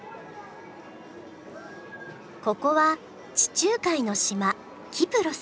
ここは地中海の島キプロス。